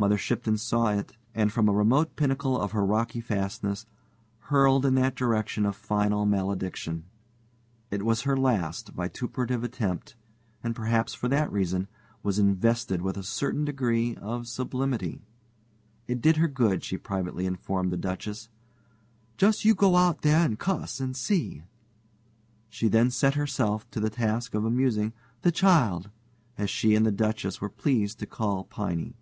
Mother Shipton saw it, and from a remote pinnacle of her rocky fastness hurled in that direction a final malediction. It was her last vituperative attempt, and perhaps for that reason was invested with a certain degree of sublimity. It did her good, she privately informed the Duchess. "Just you go out there and cuss, and see." She then set herself to the task of amusing "the child," as she and the Duchess were pleased to call Piney.